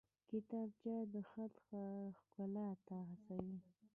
کتابچه د خط ښکلا ته هڅوي